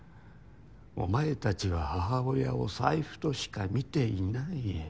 お前たちは母親を財布としか見ていない。